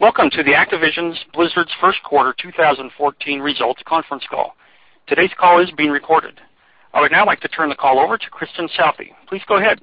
Welcome to the Activision Blizzard's first quarter 2014 results conference call. Today's call is being recorded. I would now like to turn the call over to Kristin Southey. Please go ahead.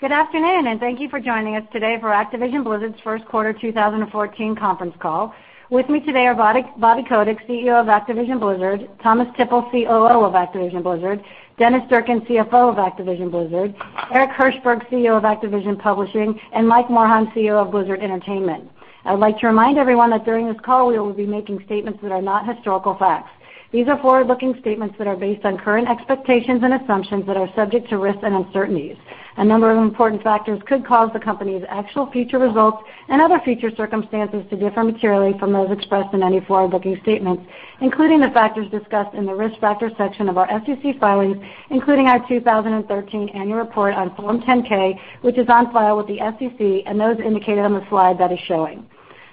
Good afternoon, thank you for joining us today for Activision Blizzard's first quarter 2014 conference call. With me today are Bobby Kotick, CEO of Activision Blizzard, Thomas Tippl, COO of Activision Blizzard, Dennis Durkin, CFO of Activision Blizzard, Eric Hirshberg, CEO of Activision Publishing, and Mike Morhaime, CEO of Blizzard Entertainment. I would like to remind everyone that during this call, we will be making statements that are not historical facts. These are forward-looking statements that are based on current expectations and assumptions that are subject to risks and uncertainties. A number of important factors could cause the company's actual future results and other future circumstances to differ materially from those expressed in any forward-looking statements, including the factors discussed in the Risk Factors section of our SEC filings, including our 2013 Annual Report on Form 10-K, which is on file with the SEC, and those indicated on the slide that is showing.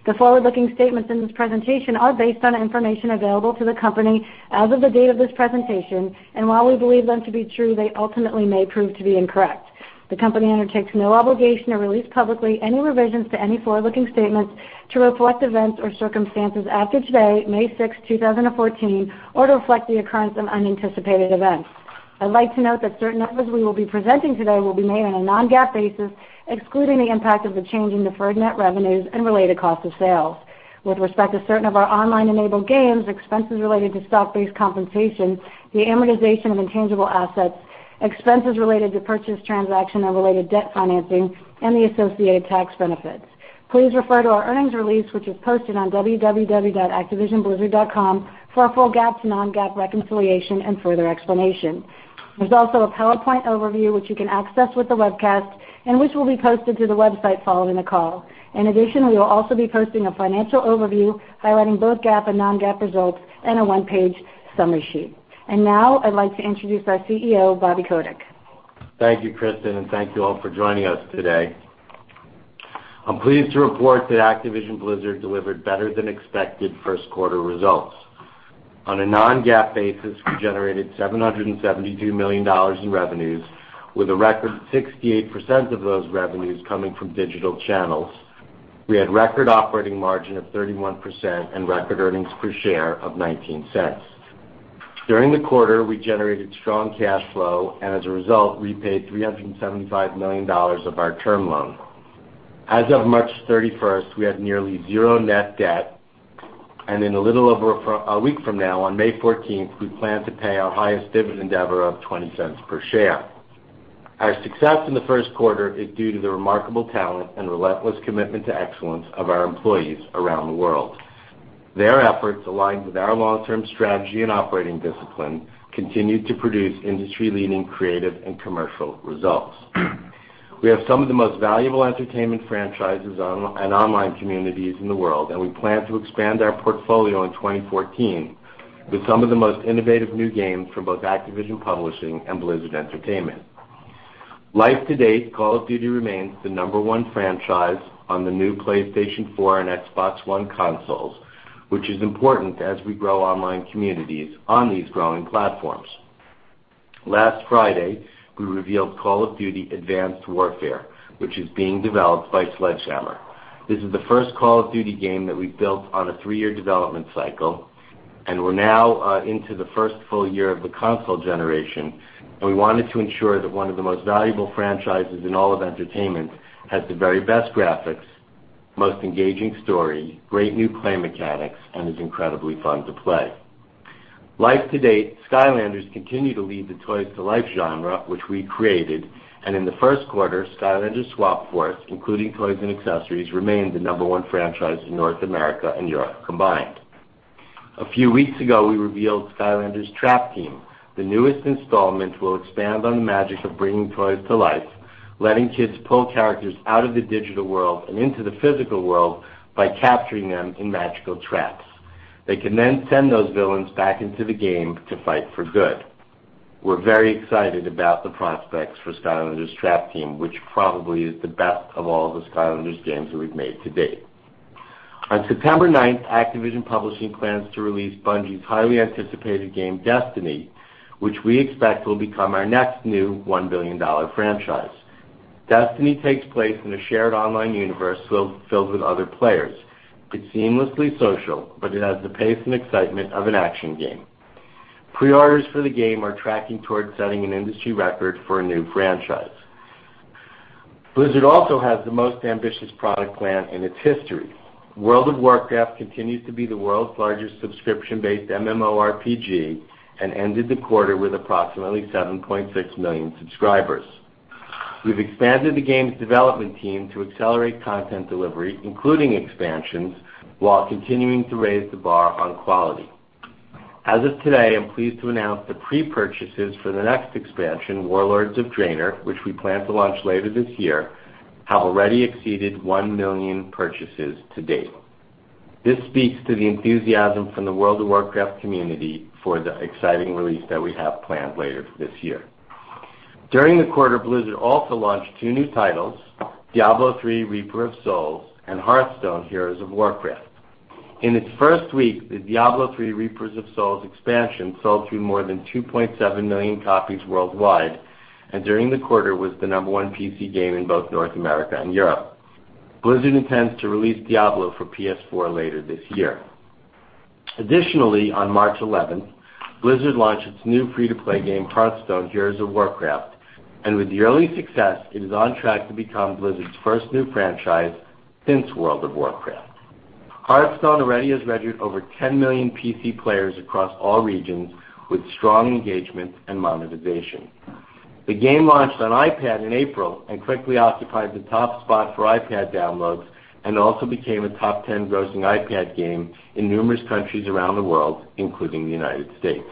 The forward-looking statements in this presentation are based on information available to the company as of the date of this presentation, and while we believe them to be true, they ultimately may prove to be incorrect. The company undertakes no obligation to release publicly any revisions to any forward-looking statements to reflect events or circumstances after today, May 6th, 2014, or to reflect the occurrence of unanticipated events. I'd like to note that certain numbers we will be presenting today will be made on a non-GAAP basis, excluding the impact of the change in deferred net revenues and related cost of sales. With respect to certain of our online-enabled games, expenses related to stock-based compensation, the amortization of intangible assets, expenses related to purchase transaction and related debt financing, and the associated tax benefits. Please refer to our earnings release, which is posted on www.activisionblizzard.com for a full GAAP to non-GAAP reconciliation and further explanation. There's also a PowerPoint overview, which you can access with the webcast and which will be posted to the website following the call. In addition, we will also be posting a financial overview highlighting both GAAP and non-GAAP results and a one-page summary sheet. Now I'd like to introduce our CEO, Bobby Kotick. Thank you, Kristin, and thank you all for joining us today. I'm pleased to report that Activision Blizzard delivered better-than-expected first quarter results. On a non-GAAP basis, we generated $772 million in revenues, with a record 68% of those revenues coming from digital channels. We had record operating margin of 31% and record earnings per share of $0.19. During the quarter, we generated strong cash flow, and as a result, we paid $375 million of our term loan. As of March 31st, we had nearly zero net debt, and in a little over a week from now, on May 14th, we plan to pay our highest dividend ever of $0.20 per share. Our success in the first quarter is due to the remarkable talent and relentless commitment to excellence of our employees around the world. Their efforts, aligned with our long-term strategy and operating discipline, continued to produce industry-leading creative and commercial results. We have some of the most valuable entertainment franchises and online communities in the world, and we plan to expand our portfolio in 2014 with some of the most innovative new games from both Activision Publishing and Blizzard Entertainment. Life to date, Call of Duty remains the number one franchise on the new PlayStation 4 and Xbox One consoles, which is important as we grow online communities on these growing platforms. Last Friday, we revealed Call of Duty: Advanced Warfare, which is being developed by Sledgehammer. This is the first Call of Duty game that we've built on a three-year development cycle, and we're now into the first full year of the console generation, and we wanted to ensure that one of the most valuable franchises in all of entertainment has the very best graphics, most engaging story, great new play mechanics, and is incredibly fun to play. Life to date, Skylanders continue to lead the toys to life genre, which we created, and in the first quarter, Skylanders: Swap Force, including toys and accessories, remained the number one franchise in North America and Europe combined. A few weeks ago, we revealed Skylanders Trap Team. The newest installment will expand on the magic of bringing toys to life, letting kids pull characters out of the digital world and into the physical world by capturing them in magical traps. They can then send those villains back into the game to fight for good. We're very excited about the prospects for Skylanders Trap Team, which probably is the best of all the Skylanders games that we've made to date. On September 9th, Activision Publishing plans to release Bungie's highly anticipated game, Destiny, which we expect will become our next new $1 billion franchise. Destiny takes place in a shared online universe filled with other players. It's seamlessly social, but it has the pace and excitement of an action game. Pre-orders for the game are tracking towards setting an industry record for a new franchise. Blizzard also has the most ambitious product plan in its history. World of Warcraft continues to be the world's largest subscription-based MMORPG and ended the quarter with approximately 7.6 million subscribers. We've expanded the game's development team to accelerate content delivery, including expansions, while continuing to raise the bar on quality. As of today, I'm pleased to announce the pre-purchases for the next expansion, Warlords of Draenor, which we plan to launch later this year, have already exceeded 1 million purchases to date. This speaks to the enthusiasm from the World of Warcraft community for the exciting release that we have planned later this year. During the quarter, Blizzard also launched two new titles, Diablo III: Reaper of Souls and Hearthstone: Heroes of Warcraft. In its first week, the Diablo III: Reaper of Souls expansion sold through more than 2.7 million copies worldwide, and during the quarter was the number one PC game in both North America and Europe. Blizzard intends to release Diablo for PS4 later this year. On March 11th, Blizzard launched its new free-to-play game, Hearthstone: Heroes of Warcraft. With the early success, it is on track to become Blizzard's first new franchise since World of Warcraft. Hearthstone already has registered over 10 million PC players across all regions, with strong engagement and monetization. The game launched on iPad in April and quickly occupied the top spot for iPad downloads, also became a top 10 grossing iPad game in numerous countries around the world, including the United States.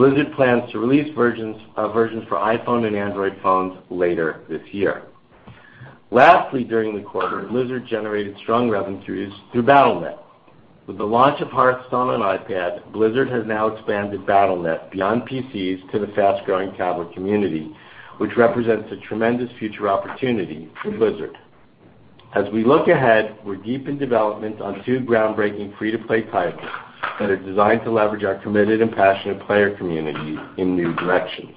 Blizzard plans to release versions for iPhone and Android phones later this year. During the quarter, Blizzard generated strong revenues through Battle.net. With the launch of Hearthstone on iPad, Blizzard has now expanded Battle.net beyond PCs to the fast-growing tablet community, which represents a tremendous future opportunity for Blizzard. As we look ahead, we're deep in development on two groundbreaking free-to-play titles that are designed to leverage our committed and passionate player community in new directions.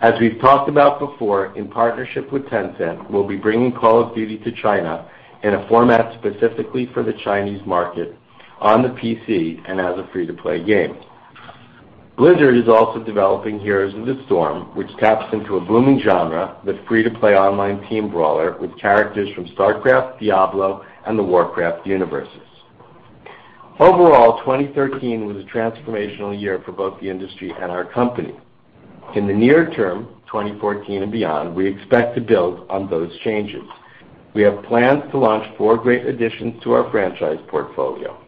As we've talked about before, in partnership with Tencent, we'll be bringing Call of Duty to China in a format specifically for the Chinese market, on the PC and as a free-to-play game. Blizzard is also developing Heroes of the Storm, which taps into a booming genre with free-to-play online team brawler with characters from StarCraft, Diablo, and the Warcraft universes. 2013 was a transformational year for both the industry and our company. In the near term, 2014 and beyond, we expect to build on those changes. We have plans to launch four great additions to our franchise portfolio.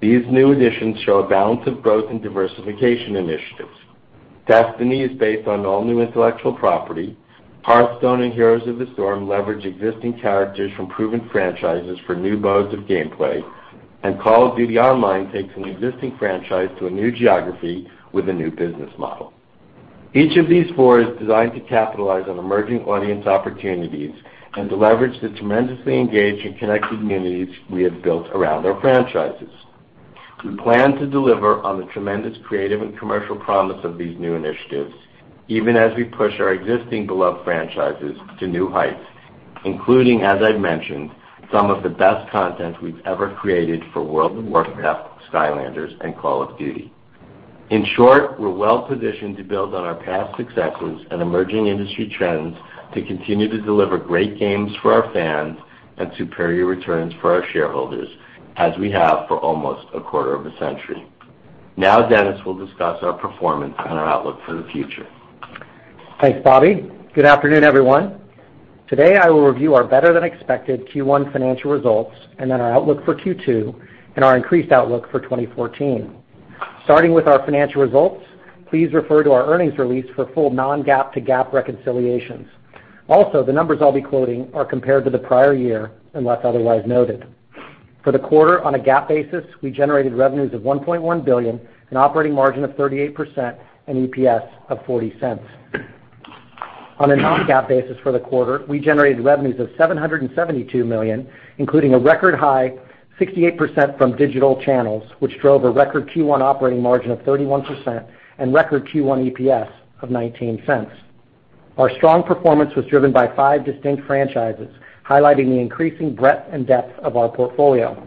These new additions show a balance of growth and diversification initiatives. Destiny is based on all new intellectual property, Hearthstone and Heroes of the Storm leverage existing characters from proven franchises for new modes of gameplay. Call of Duty Online takes an existing franchise to a new geography with a new business model. Each of these four is designed to capitalize on emerging audience opportunities and to leverage the tremendously engaged and connected communities we have built around our franchises. We plan to deliver on the tremendous creative and commercial promise of these new initiatives, even as we push our existing beloved franchises to new heights, including, as I've mentioned, some of the best content we've ever created for World of Warcraft, Skylanders, and Call of Duty. In short, we're well-positioned to build on our past successes and emerging industry trends to continue to deliver great games for our fans and superior returns for our shareholders, as we have for almost a quarter of a century. Now, Dennis will discuss our performance and our outlook for the future. Thanks, Bobby. Good afternoon, everyone. Today, I will review our better-than-expected Q1 financial results, then our outlook for Q2 and our increased outlook for 2014. Starting with our financial results, please refer to our earnings release for full non-GAAP to GAAP reconciliations. Also, the numbers I'll be quoting are compared to the prior year, unless otherwise noted. For the quarter, on a GAAP basis, we generated revenues of $1.1 billion, an operating margin of 38%, and EPS of $0.40. On a non-GAAP basis for the quarter, we generated revenues of $772 million, including a record high 68% from digital channels, which drove a record Q1 operating margin of 31% and record Q1 EPS of $0.19. Our strong performance was driven by five distinct franchises, highlighting the increasing breadth and depth of our portfolio.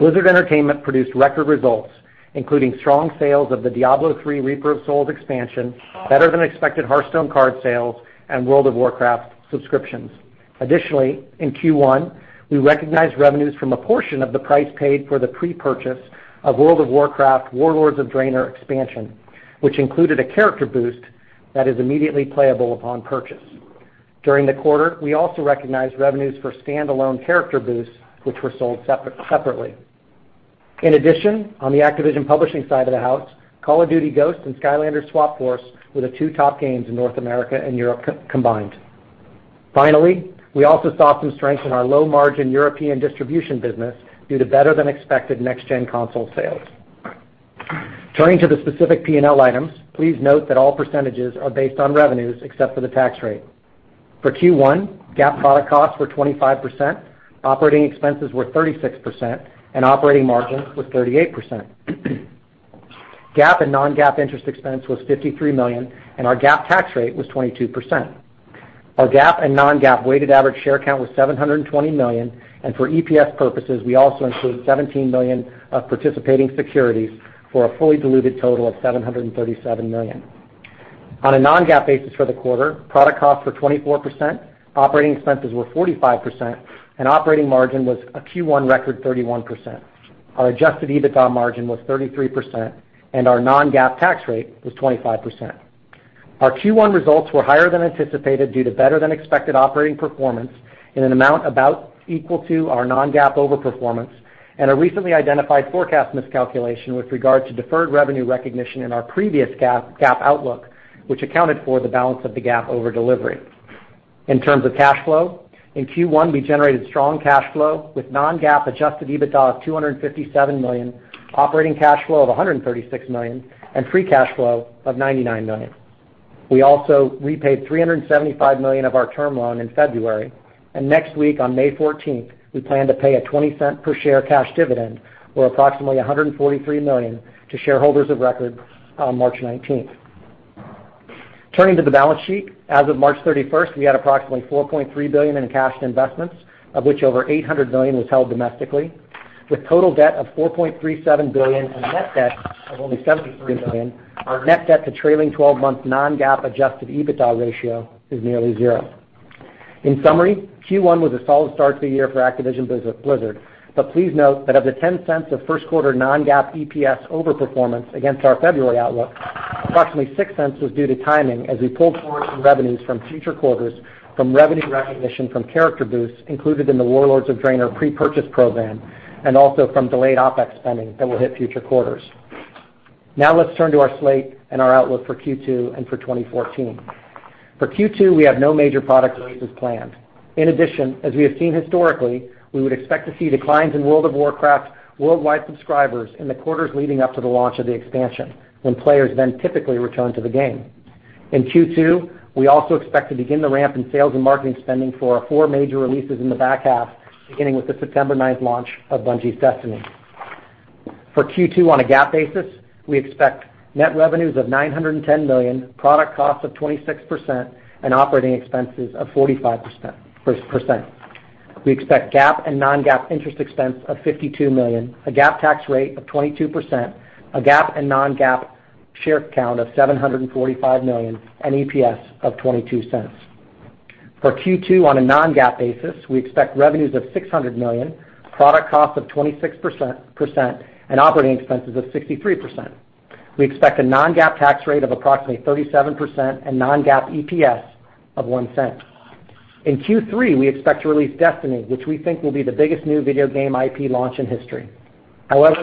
Blizzard Entertainment produced record results, including strong sales of the Diablo III: Reaper of Souls expansion, better-than-expected Hearthstone card sales, and World of Warcraft subscriptions. Additionally, in Q1, we recognized revenues from a portion of the price paid for the pre-purchase of World of Warcraft: Warlords of Draenor expansion, which included a character boost that is immediately playable upon purchase. During the quarter, we also recognized revenues for standalone character boosts, which were sold separately. In addition, on the Activision Publishing side of the house, Call of Duty: Ghosts and Skylanders: Swap Force were the two top games in North America and Europe combined. Finally, we also saw some strength in our low-margin European distribution business due to better-than-expected next-gen console sales. Turning to the specific P&L items, please note that all % are based on revenues except for the tax rate. For Q1, GAAP product costs were 25%, operating expenses were 36%, and operating margin was 38%. GAAP and non-GAAP interest expense was $53 million, and our GAAP tax rate was 22%. Our GAAP and non-GAAP weighted average share count was 720 million, and for EPS purposes, we also include 17 million of participating securities for a fully diluted total of 737 million. On a non-GAAP basis for the quarter, product costs were 24%, operating expenses were 45%, and operating margin was a Q1 record 31%. Our adjusted EBITDA margin was 33%, and our non-GAAP tax rate was 25%. Our Q1 results were higher than anticipated due to better-than-expected operating performance in an amount about equal to our non-GAAP overperformance and a recently identified forecast miscalculation with regard to deferred revenue recognition in our previous GAAP outlook, which accounted for the balance of the GAAP over delivery. In terms of cash flow, in Q1, we generated strong cash flow with non-GAAP adjusted EBITDA of $257 million, operating cash flow of $136 million, and free cash flow of $99 million. We also repaid $375 million of our term loan in February. Next week, on May 14th, we plan to pay a $0.20 per share cash dividend, or approximately $143 million to shareholders of record on March 19th. Turning to the balance sheet, as of March 31st, we had approximately $4.3 billion in cash investments, of which over $800 million was held domestically. With total debt of $4.37 billion and net debt of only $73 million, our net debt to trailing 12-month non-GAAP adjusted EBITDA ratio is nearly zero. In summary, Q1 was a solid start to the year for Activision Blizzard. Please note that of the $0.10 of first quarter non-GAAP EPS over-performance against our February outlook, approximately $0.06 was due to timing as we pulled forward some revenues from future quarters from revenue recognition from character boosts included in the Warlords of Draenor pre-purchase program, from delayed OpEx spending that will hit future quarters. Now let's turn to our slate and our outlook for Q2 and for 2014. For Q2, we have no major product releases planned. In addition, as we have seen historically, we would expect to see declines in World of Warcraft worldwide subscribers in the quarters leading up to the launch of the expansion, when players then typically return to the game. In Q2, we also expect to begin the ramp in sales and marketing spending for our four major releases in the back half, beginning with the September 9th launch of Bungie's Destiny. For Q2 on a GAAP basis, we expect net revenues of $910 million, product cost of 26%, and operating expenses of 45%. We expect GAAP and non-GAAP interest expense of $52 million, a GAAP tax rate of 22%, a GAAP and non-GAAP share count of 745 million, and EPS of $0.22. For Q2 on a non-GAAP basis, we expect revenues of $600 million, product cost of 26%, and operating expenses of 63%. We expect a non-GAAP tax rate of approximately 37% and non-GAAP EPS of $0.01. In Q3, we expect to release Destiny, which we think will be the biggest new video game IP launch in history.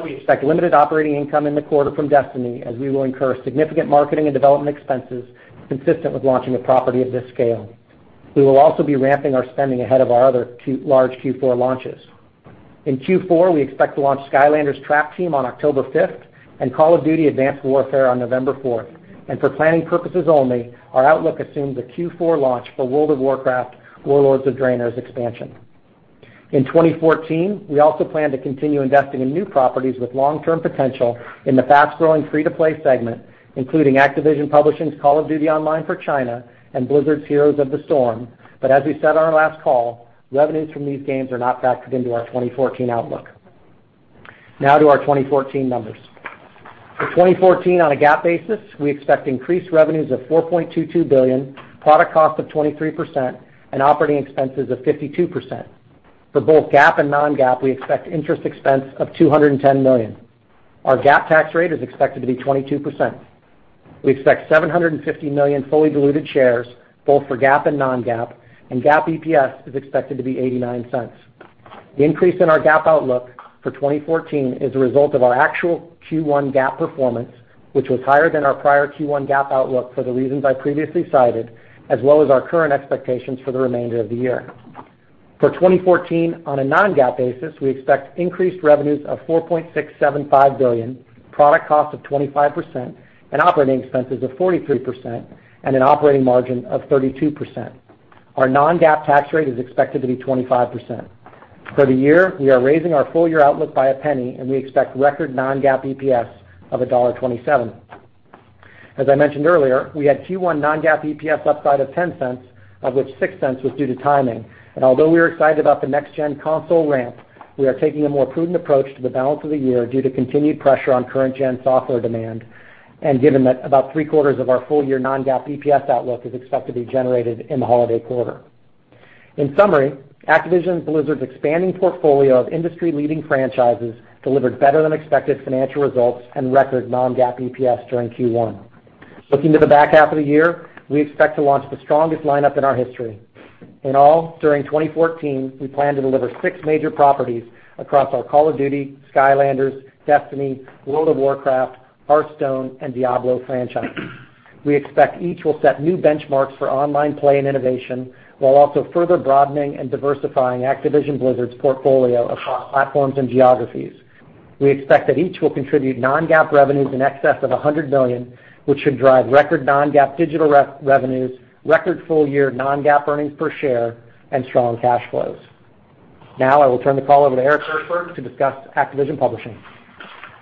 We expect limited operating income in the quarter from Destiny, as we will incur significant marketing and development expenses consistent with launching a property of this scale. We will also be ramping our spending ahead of our other large Q4 launches. In Q4, we expect to launch Skylanders Trap Team on October 5th and Call of Duty: Advanced Warfare on November 4th. For planning purposes only, our outlook assumes a Q4 launch for World of Warcraft: Warlords of Draenor's expansion. In 2014, we also plan to continue investing in new properties with long-term potential in the fast-growing free-to-play segment, including Activision Publishing's Call of Duty Online for China and Blizzard's Heroes of the Storm. As we said on our last call, revenues from these games are not factored into our 2014 outlook. Now to our 2014 numbers. For 2014 on a GAAP basis, we expect increased revenues of $4.22 billion, product cost of 23%, and operating expenses of 52%. For both GAAP and non-GAAP, we expect interest expense of $210 million. Our GAAP tax rate is expected to be 22%. We expect 750 million fully diluted shares both for GAAP and non-GAAP, and GAAP EPS is expected to be $0.89. The increase in our GAAP outlook for 2014 is a result of our actual Q1 GAAP performance, which was higher than our prior Q1 GAAP outlook for the reasons I previously cited, as well as our current expectations for the remainder of the year. For 2014, on a non-GAAP basis, we expect increased revenues of $4.675 billion, product cost of 25%, and operating expenses of 43%, and an operating margin of 32%. Our non-GAAP tax rate is expected to be 25%. For the year, we are raising our full-year outlook by $0.01, and we expect record non-GAAP EPS of $1.27. As I mentioned earlier, we had Q1 non-GAAP EPS upside of $0.10, of which $0.06 was due to timing. Although we are excited about the next-gen console ramp, we are taking a more prudent approach to the balance of the year due to continued pressure on current-gen software demand, and given that about three-quarters of our full-year non-GAAP EPS outlook is expected to be generated in the holiday quarter. In summary, Activision Blizzard's expanding portfolio of industry-leading franchises delivered better-than-expected financial results and record non-GAAP EPS during Q1. Looking to the back half of the year, we expect to launch the strongest lineup in our history. In all, during 2014, we plan to deliver six major properties across our Call of Duty, Skylanders, Destiny, World of Warcraft, Hearthstone, and Diablo franchises. We expect each will set new benchmarks for online play and innovation while also further broadening and diversifying Activision Blizzard's portfolio across platforms and geographies. We expect that each will contribute non-GAAP revenues in excess of $100 million, which should drive record non-GAAP digital revenues, record full-year non-GAAP earnings per share, and strong cash flows. Now I will turn the call over to Eric Hirshberg to discuss Activision Publishing.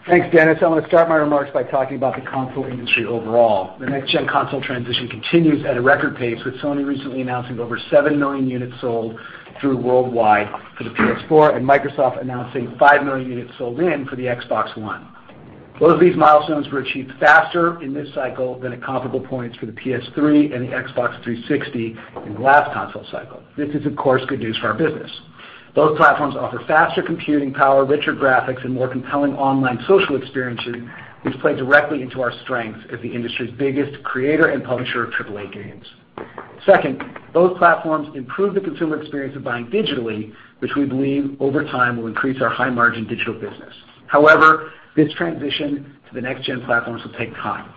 Thanks, Dennis. I want to start my remarks by talking about the console industry overall. The next-gen console transition continues at a record pace, with Sony recently announcing over seven million units sold through worldwide for the PS4 and Microsoft announcing five million units sold in for the Xbox One. Both of these milestones were achieved faster in this cycle than at comparable points for the PS3 and the Xbox 360 in the last console cycle. This is, of course, good news for our business. Both platforms offer faster computing power, richer graphics, and more compelling online social experiences, which play directly into our strength as the industry's biggest creator and publisher of AAA games. Second, both platforms improve the consumer experience of buying digitally, which we believe over time will increase our high-margin digital business. However, this transition to the next-gen platforms will take time.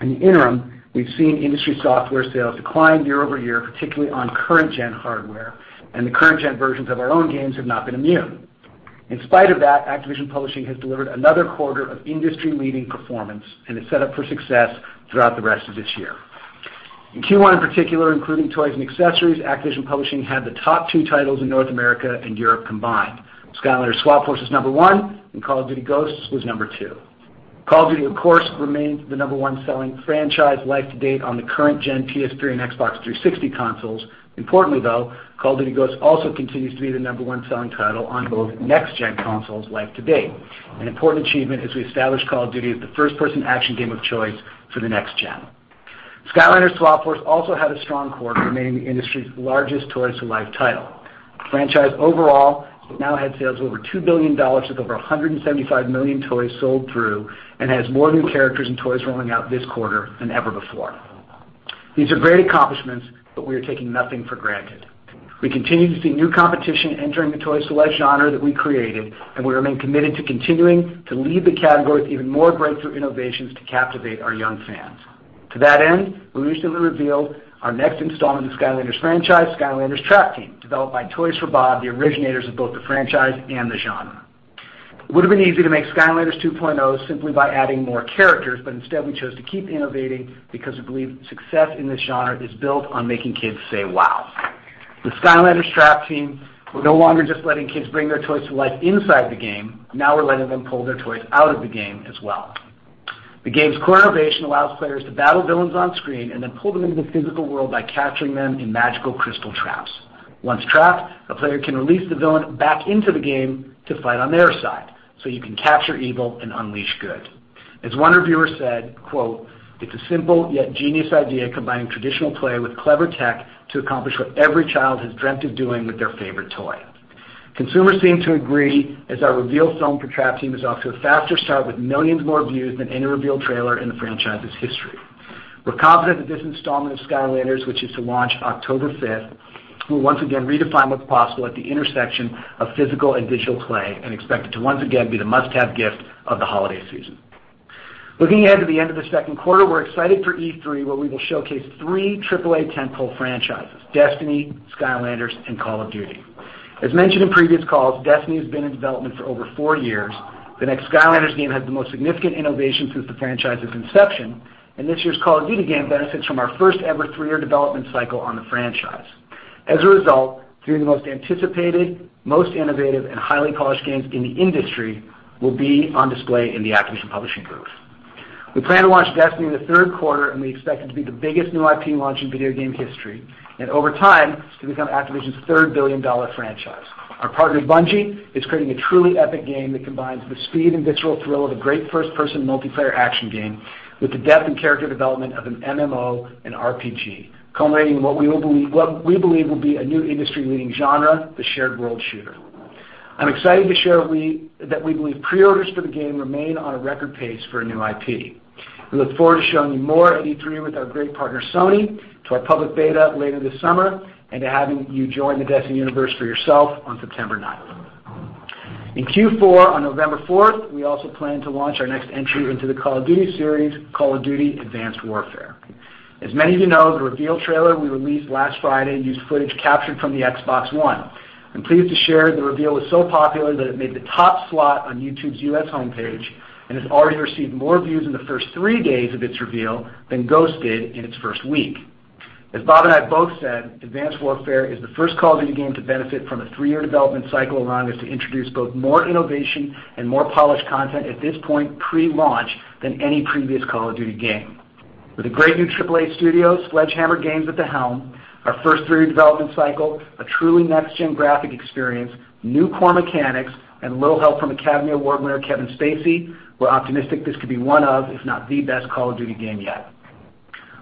In the interim, we've seen industry software sales decline year-over-year, particularly on current-gen hardware, and the current-gen versions of our own games have not been immune. In spite of that, Activision Publishing has delivered another quarter of industry-leading performance and is set up for success throughout the rest of this year. In Q1 in particular, including toys and accessories, Activision Publishing had the top two titles in North America and Europe combined. Skylanders: Swap Force was number one, and Call of Duty: Ghosts was number two. Call of Duty, of course, remains the number one selling franchise life-to-date on the current-gen PS3 and Xbox 360 consoles. Importantly though, Call of Duty: Ghosts also continues to be the number one selling title on both next-gen consoles life-to-date, an important achievement as we establish Call of Duty as the first-person action game of choice for the next-gen. Skylanders: Swap Force also had a strong quarter, remaining the industry's largest toys-to-life title. The franchise overall has now had sales of over $2 billion, with over 175 million toys sold through, and has more new characters and toys rolling out this quarter than ever before. These are great accomplishments, but we are taking nothing for granted. We continue to see new competition entering the toys-to-life genre that we created, and we remain committed to continuing to lead the category with even more breakthrough innovations to captivate our young fans. To that end, we recently revealed our next installment of the Skylanders franchise, Skylanders: Trap Team, developed by Toys for Bob, the originators of both the franchise and the genre. It would've been easy to make Skylanders 2.0 simply by adding more characters, but instead, we chose to keep innovating because we believe success in this genre is built on making kids say, "Wow." With Skylanders: Trap Team, we're no longer just letting kids bring their toys to life inside the game. Now we're letting them pull their toys out of the game as well. The game's core innovation allows players to battle villains on screen and then pull them into the physical world by capturing them in magical crystal traps. Once trapped, a player can release the villain back into the game to fight on their side, so you can capture evil and unleash good. As one reviewer said, quote, "It's a simple yet genius idea, combining traditional play with clever tech to accomplish what every child has dreamt of doing with their favorite toy." Consumers seem to agree, as our reveal film for Trap Team is off to a faster start with millions more views than any reveal trailer in the franchise's history. We're confident that this installment of Skylanders, which is to launch October 5th, will once again redefine what's possible at the intersection of physical and digital play and expect it to once again be the must-have gift of the holiday season. Looking ahead to the end of the second quarter, we're excited for E3, where we will showcase three AAA tentpole franchises, Destiny, Skylanders, and Call of Duty. As mentioned in previous calls, Destiny has been in development for over four years. The next Skylanders game has the most significant innovation since the franchise's inception. This year's Call of Duty game benefits from our first-ever three-year development cycle on the franchise. As a result, three of the most anticipated, most innovative, and highly polished games in the industry will be on display in the Activision Publishing booth. We plan to launch Destiny in the third quarter, and we expect it to be the biggest new IP launch in video game history, and over time, to become Activision's third billion-dollar franchise. Our partner, Bungie, is creating a truly epic game that combines the speed and visceral thrill of a great first-person multiplayer action game with the depth and character development of an MMO and RPG, culminating in what we believe will be a new industry-leading genre, the shared world shooter. I'm excited to share that we believe pre-orders for the game remain on a record pace for a new IP. We look forward to showing you more at E3 with our great partner, Sony, to our public beta later this summer, and to having you join the Destiny universe for yourself on September 9th. In Q4, on November 4th, we also plan to launch our next entry into the Call of Duty series, Call of Duty: Advanced Warfare. As many of you know, the reveal trailer we released last Friday used footage captured from the Xbox One. I'm pleased to share the reveal was so popular that it made the top slot on YouTube's U.S. homepage and has already received more views in the first three days of its reveal than Ghosts did in its first week. As Bob and I have both said, Advanced Warfare is the first Call of Duty game to benefit from a three-year development cycle, allowing us to introduce both more innovation and more polished content at this point pre-launch than any previous Call of Duty game. With a great new AAA studio, Sledgehammer Games, at the helm, our first three-year development cycle, a truly next-gen graphic experience, new core mechanics, and a little help from Academy Award-winner Kevin Spacey, we're optimistic this could be one of, if not the best Call of Duty game yet.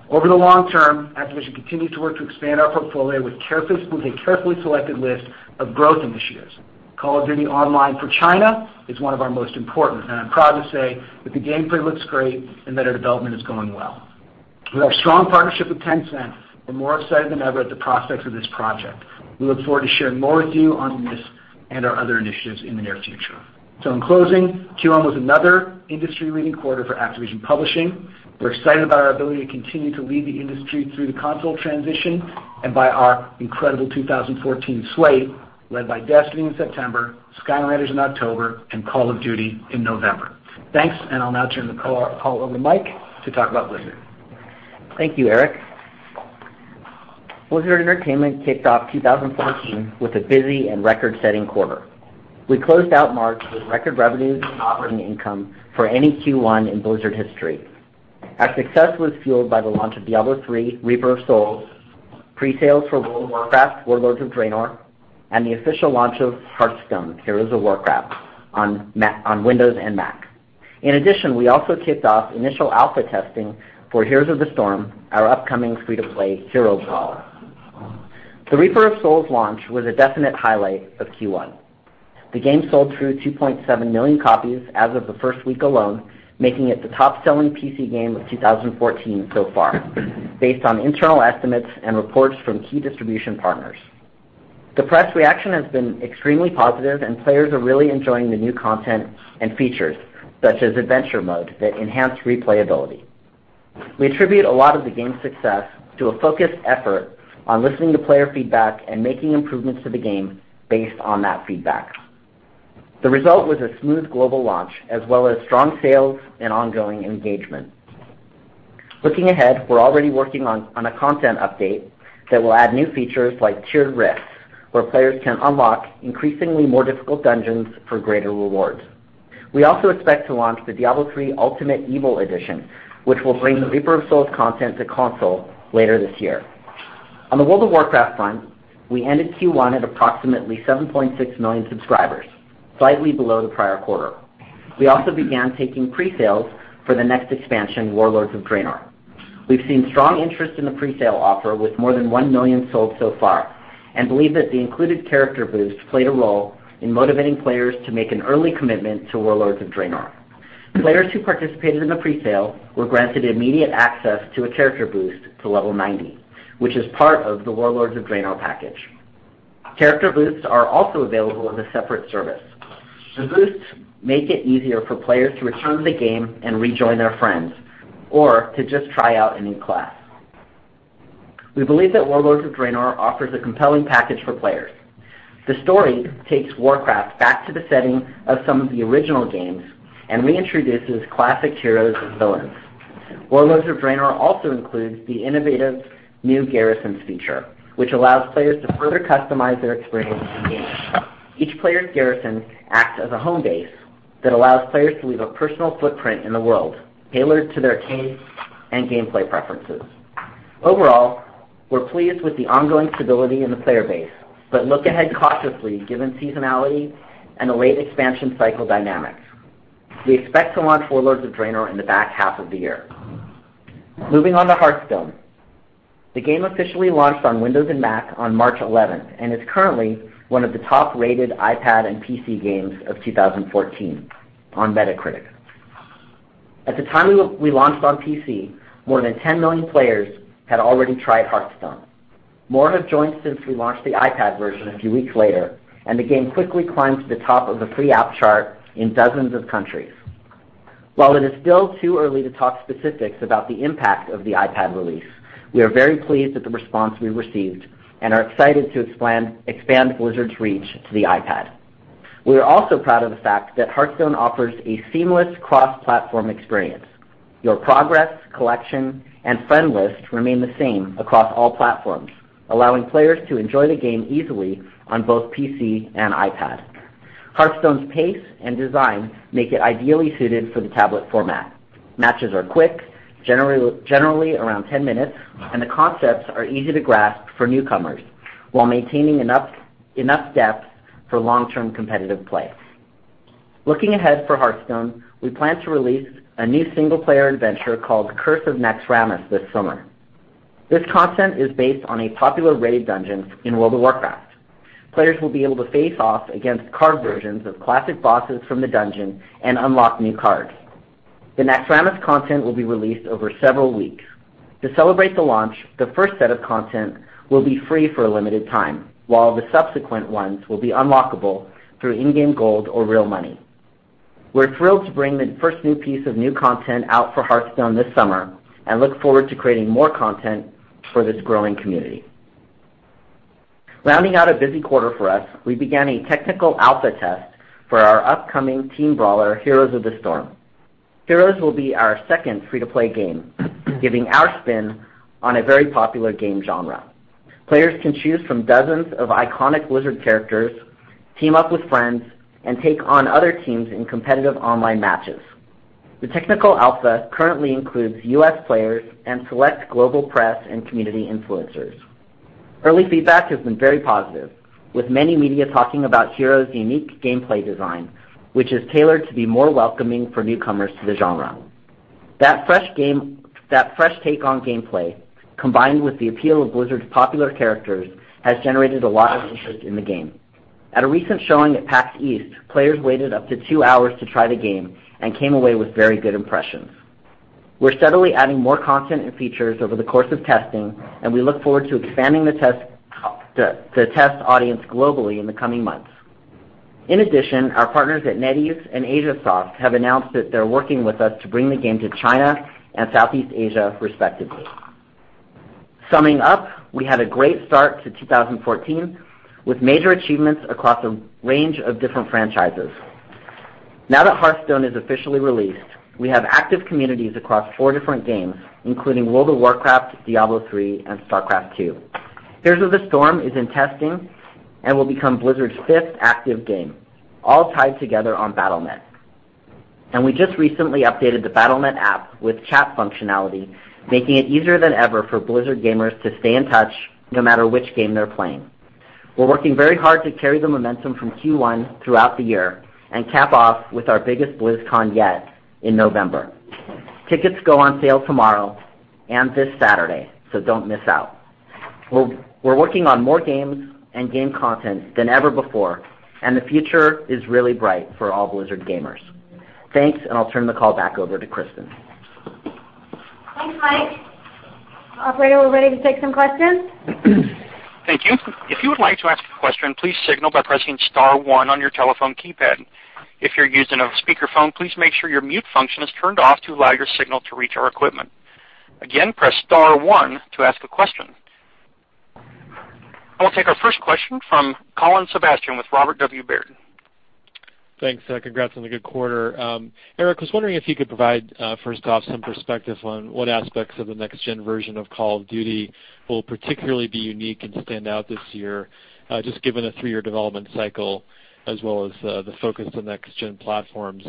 Over the long term, Activision continues to work to expand our portfolio with a carefully selected list of growth initiatives. Call of Duty: Online for China is one of our most important, I'm proud to say that the gameplay looks great and that our development is going well. With our strong partnership with Tencent, we're more excited than ever at the prospects of this project. We look forward to sharing more with you on this and our other initiatives in the near future. In closing, Q1 was another industry-leading quarter for Activision Publishing. We're excited about our ability to continue to lead the industry through the console transition and by our incredible 2014 slate, led by Destiny in September, Skylanders in October, and Call of Duty in November. Thanks. I'll now turn the call over to Mike to talk about Blizzard. Thank you, Eric. Blizzard Entertainment kicked off 2014 with a busy and record-setting quarter. We closed out March with record revenues and operating income for any Q1 in Blizzard history. Our success was fueled by the launch of Diablo III: Reaper of Souls, pre-sales for World of Warcraft: Warlords of Draenor, and the official launch of Hearthstone: Heroes of Warcraft on Windows and Mac. In addition, we also kicked off initial alpha testing for Heroes of the Storm, our upcoming free-to-play hero brawler. The Reaper of Souls launch was a definite highlight of Q1. The game sold through 2.7 million copies as of the first week alone, making it the top-selling PC game of 2014 so far, based on internal estimates and reports from key distribution partners. The press reaction has been extremely positive, and players are really enjoying the new content and features, such as Adventure mode, that enhance replayability. We attribute a lot of the game's success to a focused effort on listening to player feedback and making improvements to the game based on that feedback. The result was a smooth global launch, as well as strong sales and ongoing engagement. Looking ahead, we're already working on a content update that will add new features like tiered rifts, where players can unlock increasingly more difficult dungeons for greater rewards. We also expect to launch the Diablo III: Ultimate Evil Edition, which will bring Reaper of Souls content to console later this year. On the World of Warcraft front, we ended Q1 at approximately 7.6 million subscribers, slightly below the prior quarter. We also began taking pre-sales for the next expansion, Warlords of Draenor. We've seen strong interest in the pre-sale offer, with more than 1 million sold so far, and believe that the included character boost played a role in motivating players to make an early commitment to Warlords of Draenor. Players who participated in the pre-sale were granted immediate access to a character boost to level 90, which is part of the Warlords of Draenor package. Character boosts are also available as a separate service. The boosts make it easier for players to return to the game and rejoin their friends, or to just try out a new class. We believe that Warlords of Draenor offers a compelling package for players. The story takes Warcraft back to the setting of some of the original games and reintroduces classic heroes and villains. Warlords of Draenor also includes the innovative new garrisons feature, which allows players to further customize their experience in-game. Each player's garrison acts as a home base that allows players to leave a personal footprint in the world tailored to their taste and gameplay preferences. Overall, we're pleased with the ongoing stability in the player base, but look ahead cautiously given seasonality and the late expansion cycle dynamics. We expect to launch Warlords of Draenor in the back half of the year. Moving on to Hearthstone. The game officially launched on Windows and Mac on March 11th and is currently one of the top-rated iPad and PC games of 2014 on Metacritic. At the time we launched on PC, more than 10 million players had already tried Hearthstone. More have joined since we launched the iPad version a few weeks later, and the game quickly climbed to the top of the free app chart in dozens of countries. While it is still too early to talk specifics about the impact of the iPad release, we are very pleased with the response we received and are excited to expand Blizzard's reach to the iPad. We are also proud of the fact that Hearthstone offers a seamless cross-platform experience. Your progress, collection, and friend list remain the same across all platforms, allowing players to enjoy the game easily on both PC and iPad. Hearthstone's pace and design make it ideally suited for the tablet format. Matches are quick, generally around 10 minutes, and the concepts are easy to grasp for newcomers while maintaining enough depth for long-term competitive play. Looking ahead for Hearthstone, we plan to release a new single-player adventure called Curse of Naxxramas this summer. This content is based on a popular raid dungeon in World of Warcraft. Players will be able to face off against card versions of classic bosses from the dungeon and unlock new cards. The Naxxramas content will be released over several weeks. To celebrate the launch, the first set of content will be free for a limited time, while the subsequent ones will be unlockable through in-game gold or real money. We're thrilled to bring the first new piece of new content out for Hearthstone this summer and look forward to creating more content for this growing community. Rounding out a busy quarter for us, we began a technical alpha test for our upcoming team brawler, Heroes of the Storm. Heroes will be our second free-to-play game, giving our spin on a very popular game genre. Players can choose from dozens of iconic Blizzard characters, team up with friends, and take on other teams in competitive online matches. The technical alpha currently includes U.S. players and select global press and community influencers. Early feedback has been very positive, with many media talking about Heroes' unique gameplay design, which is tailored to be more welcoming for newcomers to the genre. That fresh take on gameplay, combined with the appeal of Blizzard's popular characters, has generated a lot of interest in the game. At a recent showing at PAX East, players waited up to two hours to try the game and came away with very good impressions. We're steadily adding more content and features over the course of testing, and we look forward to expanding the test audience globally in the coming months. In addition, our partners at NetEase and Asiasoft have announced that they're working with us to bring the game to China and Southeast Asia, respectively. Summing up, we had a great start to 2014, with major achievements across a range of different franchises. Now that Hearthstone is officially released, we have active communities across four different games, including World of Warcraft, Diablo III, and StarCraft II. Heroes of the Storm is in testing and will become Blizzard's fifth active game, all tied together on Battle.net. We just recently updated the Battle.net app with chat functionality, making it easier than ever for Blizzard gamers to stay in touch no matter which game they're playing. We're working very hard to carry the momentum from Q1 throughout the year and cap off with our biggest BlizzCon yet in November. Tickets go on sale tomorrow and this Saturday, so don't miss out. We're working on more games and game content than ever before, and the future is really bright for all Blizzard gamers. Thanks. I'll turn the call back over to Kristin. Thanks, Mike. Operator, we're ready to take some questions. Thank you. If you would like to ask a question, please signal by pressing *1 on your telephone keypad. If you're using a speakerphone, please make sure your mute function is turned off to allow your signal to reach our equipment. Again, press *1 to ask a question. I'll take our first question from Colin Sebastian with Robert W. Baird. Thanks. Congrats on the good quarter. Eric, I was wondering if you could provide, first off, some perspective on what aspects of the next-gen version of Call of Duty will particularly be unique and stand out this year, just given a three-year development cycle as well as the focus on next-gen platforms.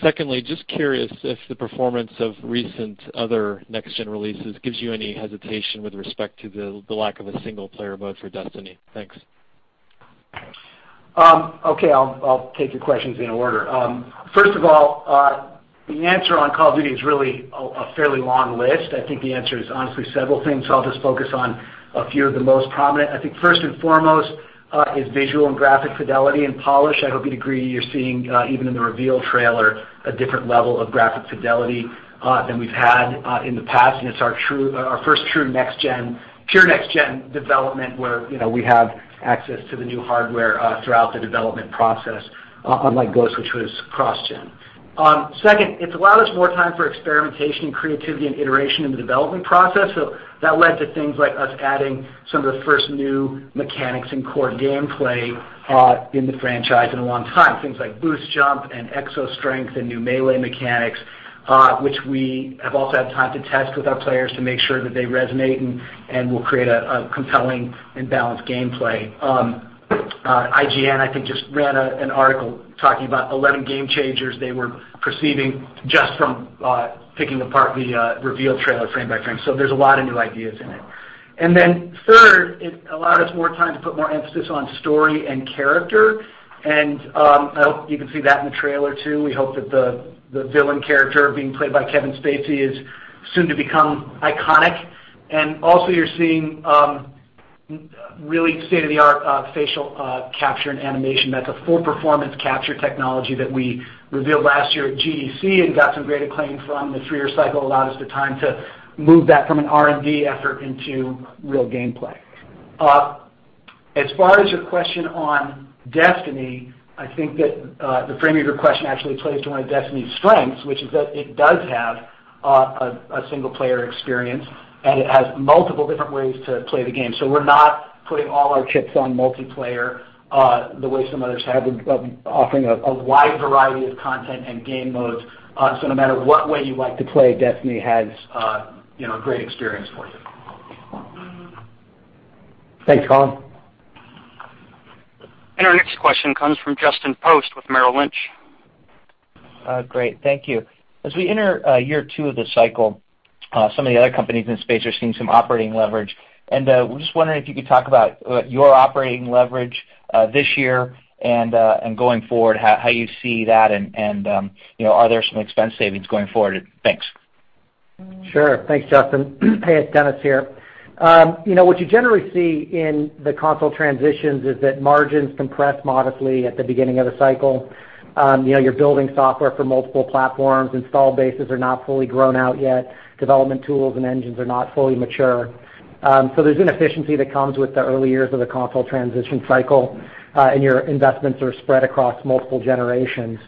Secondly, just curious if the performance of recent other next-gen releases gives you any hesitation with respect to the lack of a single-player mode for Destiny. Thanks. Okay. I'll take your questions in order. First of all, the answer on Call of Duty is really a fairly long list. I think the answer is honestly several things. I'll just focus on a few of the most prominent. I think first and foremost, is visual and graphic fidelity and polish. I hope you'd agree, you're seeing, even in the reveal trailer, a different level of graphic fidelity than we've had in the past. It's our first true next-gen, pure next-gen development where we have access to the new hardware throughout the development process, unlike Ghosts which was cross-gen. Second, it's allowed us more time for experimentation, creativity, and iteration in the development process. That led to things like us adding some of the first new mechanics and core gameplay in the franchise in a long time. Things like boost jump and exo strength and new melee mechanics, which we have also had time to test with our players to make sure that they resonate and will create a compelling and balanced gameplay. IGN, I think, just ran an article talking about 11 game changers they were perceiving just from picking apart the reveal trailer frame by frame. There's a lot of new ideas in it. Third, it allowed us more time to put more emphasis on story and character. I hope you can see that in the trailer, too. We hope that the villain character being played by Kevin Spacey is soon to become iconic. Also you're seeing really state-of-the-art facial capture and animation. That's a full performance capture technology that we revealed last year at GDC and got some great acclaim from. The three-year cycle allowed us the time to move that from an R&D effort into real gameplay. As far as your question on Destiny, I think that the frame of your question actually plays to one of Destiny's strengths, which is that it does have a single-player experience, and it has multiple different ways to play the game. We're not putting all our chips on multiplayer the way some others have. We're offering a wide variety of content and game modes. No matter what way you like to play, Destiny has a great experience for you. Thanks, Colin. Our next question comes from Justin Post with Merrill Lynch. Great. Thank you. As we enter year two of the cycle, some of the other companies in the space are seeing some operating leverage. We're just wondering if you could talk about your operating leverage this year and going forward, how you see that and are there some expense savings going forward? Thanks. Sure. Thanks, Justin. Hey, it's Dennis here. What you generally see in the console transitions is that margins compress modestly at the beginning of the cycle. You're building software for multiple platforms. Install bases are not fully grown out yet. Development tools and engines are not fully mature. There's inefficiency that comes with the early years of the console transition cycle, and your investments are spread across multiple generations.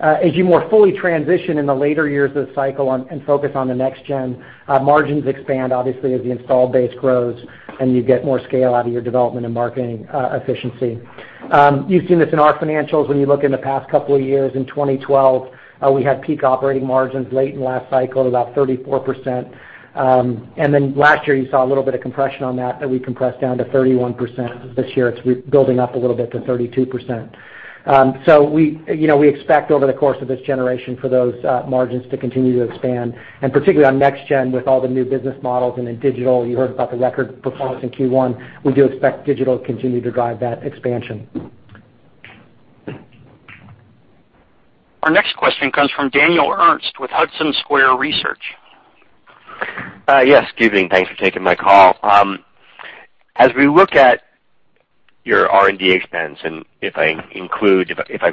As you more fully transition in the later years of the cycle and focus on the next gen, margins expand obviously as the install base grows and you get more scale out of your development and marketing efficiency. You've seen this in our financials when you look in the past couple of years. In 2012, we had peak operating margins late in last cycle at about 34%. Last year, you saw a little bit of compression on that we compressed down to 31%. This year, it's building up a little bit to 32%. We expect over the course of this generation for those margins to continue to expand, and particularly on next gen with all the new business models and in digital. You heard about the record performance in Q1. We do expect digital to continue to drive that expansion. Our next question comes from Daniel Ernst with Hudson Square Research. Yes, good evening. Thanks for taking my call. As we look at your R&D expense, and if I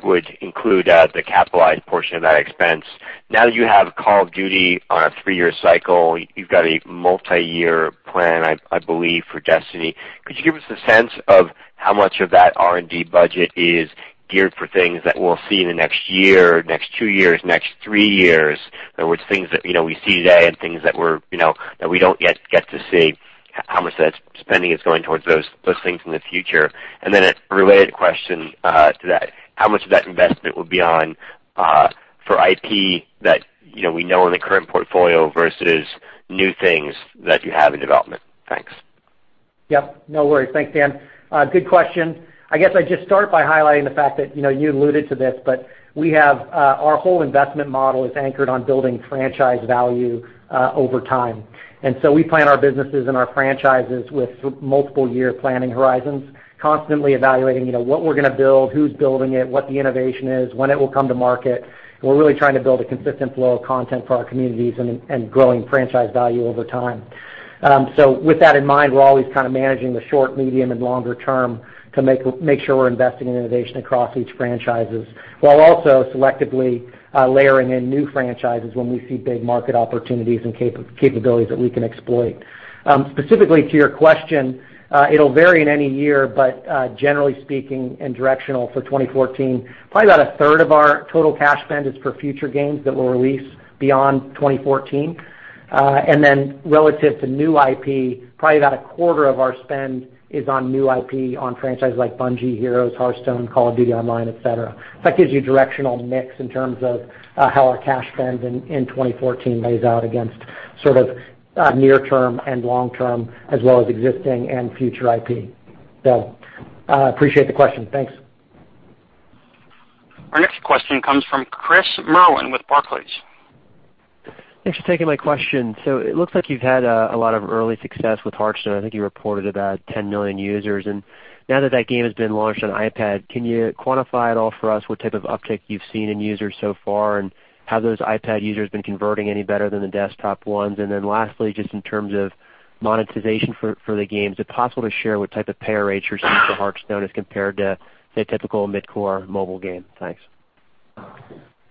would include the capitalized portion of that expense, now that you have Call of Duty on a three-year cycle, you've got a multi-year plan, I believe, for Destiny. Could you give us a sense of how much of that R&D budget is geared for things that we'll see in the next year, next two years, next three years? In other words, things that we see today and things that we don't yet get to see, how much of that spending is going towards those things in the future? A related question to that, how much of that investment will be on for IP that we know in the current portfolio versus new things that you have in development? Thanks. Yep, no worries. Thanks, Dan. Good question. I guess I'd just start by highlighting the fact that, you alluded to this, but our whole investment model is anchored on building franchise value over time. We plan our businesses and our franchises with multiple year planning horizons, constantly evaluating what we're going to build, who's building it, what the innovation is, when it will come to market. We're really trying to build a consistent flow of content for our communities and growing franchise value over time. With that in mind, we're always managing the short, medium, and longer term to make sure we're investing in innovation across each franchises, while also selectively layering in new franchises when we see big market opportunities and capabilities that we can exploit. Specifically to your question, it'll vary in any year, but generally speaking, directional for 2014, probably about a third of our total cash spend is for future gains that will release beyond 2014. Relative to new IP, probably about a quarter of our spend is on new IP on franchises like Bungie, Heroes, Hearthstone, Call of Duty Online, et cetera. That gives you directional mix in terms of how our cash spend in 2014 lays out against near term and long term, as well as existing and future IP. Appreciate the question. Thanks. Our next question comes from Chris Merwin with Barclays. Thanks for taking my question. It looks like you've had a lot of early success with Hearthstone. I think you reported about 10 million users. Now that that game has been launched on iPad, can you quantify at all for us what type of uptick you've seen in users so far, and have those iPad users been converting any better than the desktop ones? Then lastly, just in terms of monetization for the games, is it possible to share what type of pay rates you're seeing for Hearthstone as compared to, say, a typical mid-core mobile game? Thanks.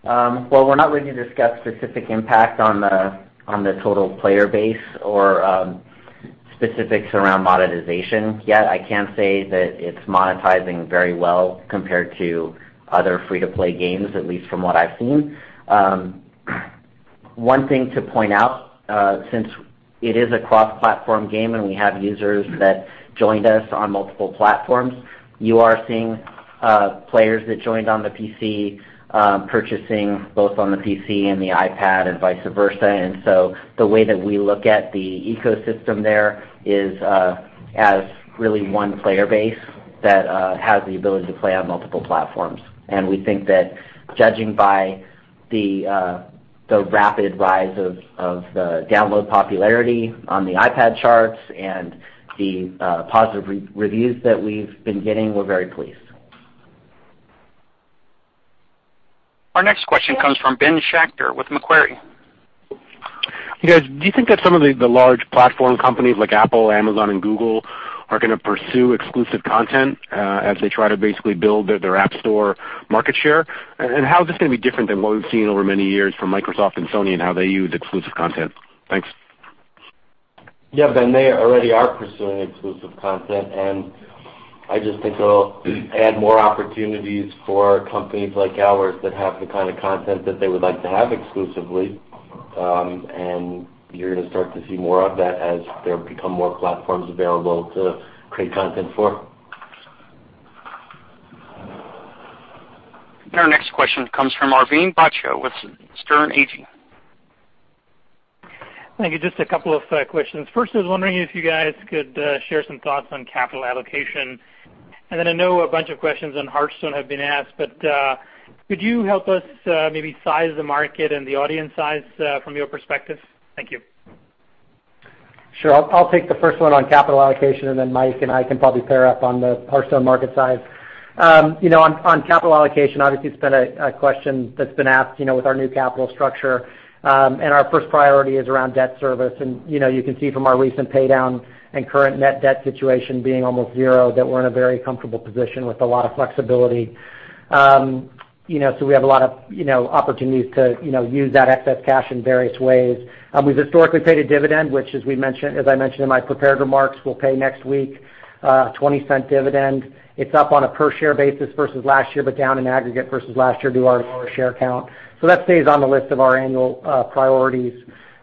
Well, we're not ready to discuss specific impact on the total player base or specifics around monetization yet. I can say that it's monetizing very well compared to other free-to-play games, at least from what I've seen. One thing to point out, since it is a cross-platform game and we have users that joined us on multiple platforms, you are seeing players that joined on the PC purchasing both on the PC and the iPad and vice versa. So the way that we look at the ecosystem there is as really one player base that has the ability to play on multiple platforms. We think that judging by the rapid rise of the download popularity on the iPad charts and the positive reviews that we've been getting, we're very pleased. Our next question comes from Ben Schachter with Macquarie. You guys, do you think that some of the large platform companies like Apple, Amazon, and Google are going to pursue exclusive content as they try to basically build their App Store market share? How is this going to be different than what we've seen over many years from Microsoft and Sony and how they use exclusive content? Thanks. Yeah, Ben, they already are pursuing exclusive content, I just think it'll add more opportunities for companies like ours that have the kind of content that they would like to have exclusively. You're going to start to see more of that as there become more platforms available to create content for. Our next question comes from Arvind Bhatia with Sterne Agee. Thank you. Just a couple of questions. First, I was wondering if you guys could share some thoughts on capital allocation. I know a bunch of questions on Hearthstone have been asked, could you help us maybe size the market and the audience size from your perspective? Thank you. Sure. I'll take the first one on capital allocation. Mike and I can probably pair up on the Hearthstone market size. On capital allocation, obviously, it's been a question that's been asked with our new capital structure. Our first priority is around debt service. You can see from our recent pay down and current net debt situation being almost zero, that we're in a very comfortable position with a lot of flexibility. We have a lot of opportunities to use that excess cash in various ways. We've historically paid a dividend, which as I mentioned in my prepared remarks, we'll pay next week a $0.20 dividend. It's up on a per share basis versus last year, but down in aggregate versus last year due to our lower share count. That stays on the list of our annual priorities.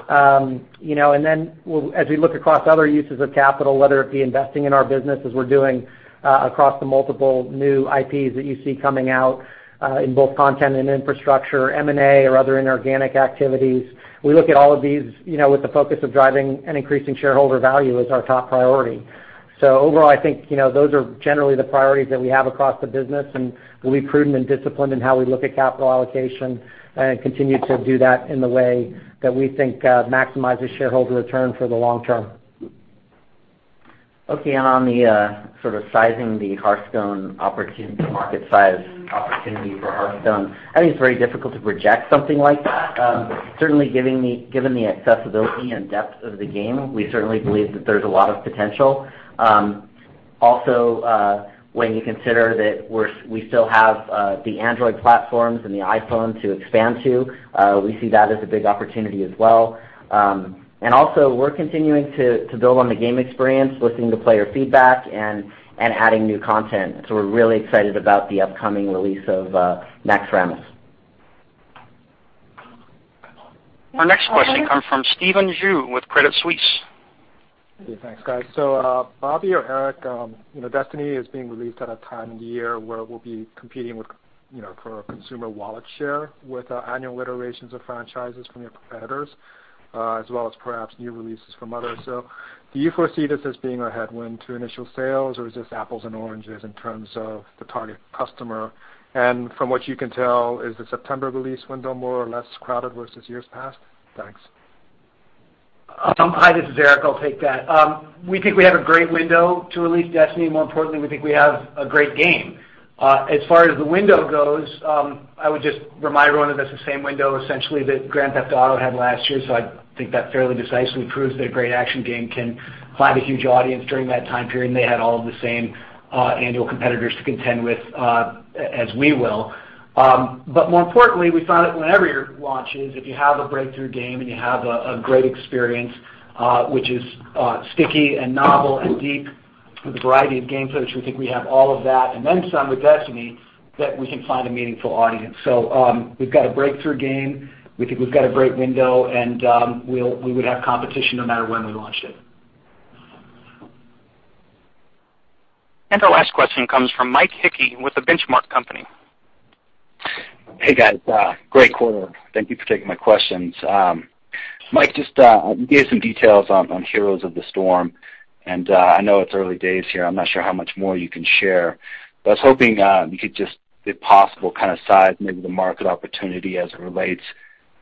As we look across other uses of capital, whether it be investing in our business as we're doing across the multiple new IPs that you see coming out in both content and infrastructure, M&A or other inorganic activities, we look at all of these with the focus of driving and increasing shareholder value as our top priority. Overall, I think those are generally the priorities that we have across the business, and we'll be prudent and disciplined in how we look at capital allocation and continue to do that in the way that we think maximizes shareholder return for the long term. Okay, on the sizing the market size opportunity for Hearthstone, I think it's very difficult to project something like that. Certainly given the accessibility and depth of the game, we certainly believe that there's a lot of potential. Also, when you consider that we still have the Android platforms and the iPhone to expand to, we see that as a big opportunity as well. We're continuing to build on the game experience, listening to player feedback and adding new content. We're really excited about the upcoming release of Naxxramas. Our next question comes from Stephen Ju with Credit Suisse. Okay, thanks, guys. Bobby or Eric, Destiny is being released at a time of the year where we'll be competing for consumer wallet share with annual iterations of franchises from your competitors. As well as perhaps new releases from others. Do you foresee this as being a headwind to initial sales, or is this apples and oranges in terms of the target customer? And from what you can tell, is the September release window more or less crowded versus years past? Thanks. Hi, this is Eric. I'll take that. We think we have a great window to release Destiny. More importantly, we think we have a great game. As far as the window goes, I would just remind everyone that it's the same window essentially that Grand Theft Auto had last year. I think that fairly decisively proves that a great action game can find a huge audience during that time period, and they had all of the same annual competitors to contend with as we will. More importantly, we found that whenever your launch is, if you have a breakthrough game and you have a great experience, which is sticky and novel and deep with a variety of game footage, we think we have all of that and then some with Destiny, that we can find a meaningful audience. We've got a breakthrough game, we think we've got a great window, and we would have competition no matter when we launched it. Our last question comes from Mike Hickey with The Benchmark Company. Hey, guys. Great quarter. Thank you for taking my questions. Mike, just to give some details on Heroes of the Storm, I know it's early days here. I'm not sure how much more you can share. I was hoping you could just, if possible, kind of size maybe the market opportunity as it relates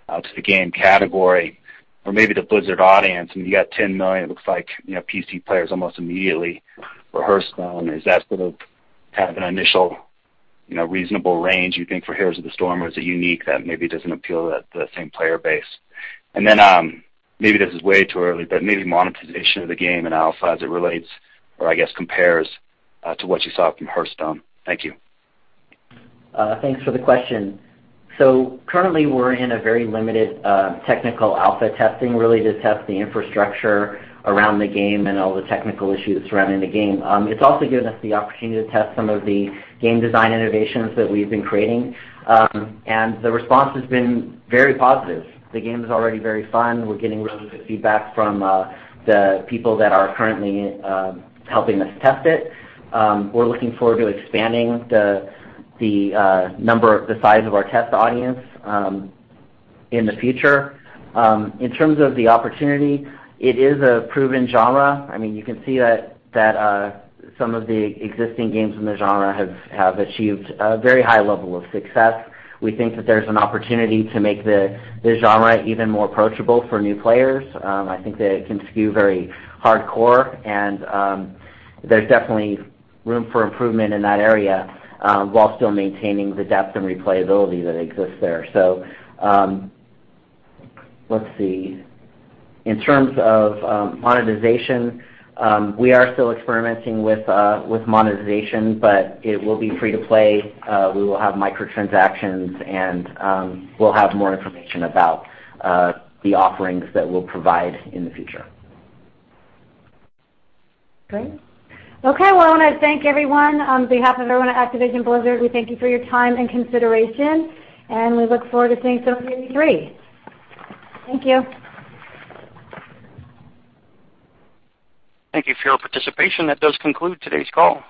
to the game category or maybe the Blizzard audience. You got 10 million, it looks like PC players almost immediately for Hearthstone. Is that sort of kind of an initial reasonable range you think for Heroes of the Storm, or is it unique that maybe doesn't appeal at the same player base? Maybe this is way too early, but maybe monetization of the game in alpha as it relates, or I guess compares to what you saw from Hearthstone. Thank you. Thanks for the question. Currently, we're in a very limited technical alpha testing, really to test the infrastructure around the game and all the technical issues surrounding the game. It's also given us the opportunity to test some of the game design innovations that we've been creating. The response has been very positive. The game is already very fun. We're getting really good feedback from the people that are currently helping us test it. We're looking forward to expanding the size of our test audience in the future. In terms of the opportunity, it is a proven genre. You can see that some of the existing games in the genre have achieved a very high level of success. We think that there's an opportunity to make the genre even more approachable for new players. I think that it can skew very hardcore, and there's definitely room for improvement in that area while still maintaining the depth and replayability that exists there. Let's see. In terms of monetization, we are still experimenting with monetization, but it will be free-to-play. We will have micro-transactions, and we'll have more information about the offerings that we'll provide in the future. Great. Okay. I want to thank everyone. On behalf of everyone at Activision Blizzard, we thank you for your time and consideration, and we look forward to seeing you on the 23rd. Thank you. Thank you for your participation. That does conclude today's call.